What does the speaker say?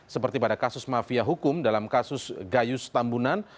seperti pada kasus mafia hukum dalam kasus gayus tambunan